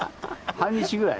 半日ぐらい。